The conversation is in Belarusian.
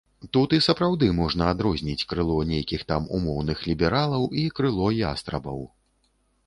Тут і сапраўды можна адрозніць крыло нейкіх там умоўных лібералаў і крыло ястрабаў.